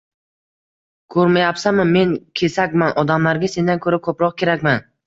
– Ko‘rmayapsanmi, men kesakman, odamlarga sendan ko‘ra ko‘proq kerakman